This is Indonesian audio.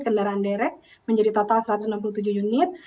kendaraan derek menjadi total satu ratus enam puluh tujuh unit